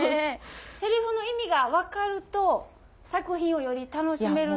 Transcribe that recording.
セリフの意味が分かると作品をより楽しめるなあって。